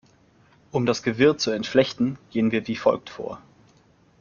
Um das Gewirr zu entflechten, gehen wir wie folgt vor.